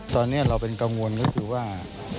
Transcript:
ตอนนี้เราเป็นกังวลก็คือว่า